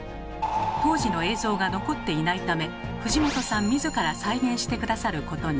当時の映像が残っていないため藤本さん自ら再現して下さることに。